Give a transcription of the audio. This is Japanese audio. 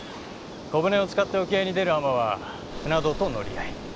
小舟を使って沖合に出る海女は舟人と乗合。